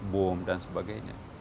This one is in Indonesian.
bom dan sebagainya